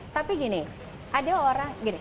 tapi gini ada orang gini